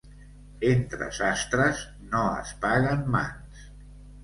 Entre sastres no es paguen mans.